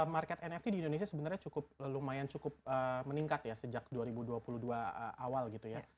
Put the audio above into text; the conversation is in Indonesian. market nft di indonesia sebenarnya cukup lumayan cukup meningkat ya sejak dua ribu dua puluh dua awal gitu ya